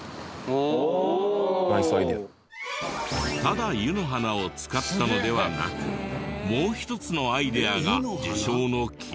ただ湯の花を使ったのではなくもう一つのアイデアが受賞の決め手に。